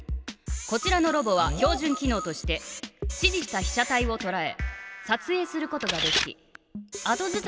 こちらのロボは標じゅん機のうとして指じしたひ写体をとらえさつえいすることができ後ずさりすることもできる。